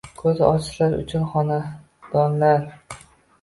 Ko‘zi ojizlar uchun xonadonlar